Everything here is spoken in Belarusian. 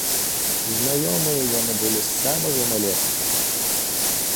Знаёмыя яны былі з самага маленства.